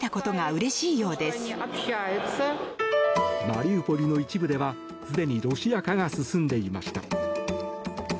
マリウポリの一部では、すでにロシア化が進んでいました。